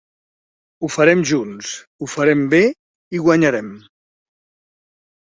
Ho farem junts, ho farem bé i guanyarem.